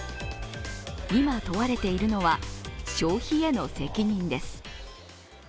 今問われているのは消費への責任です。